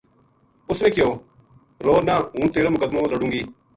اُس نے کہیو ”رو نہ ہوں تیرو مقدمو لڑوں گی